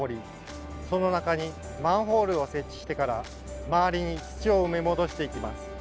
その中にマンホールを設置してから周りに土を埋め戻していきます。